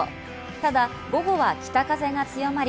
ただ午後は北風が強まり、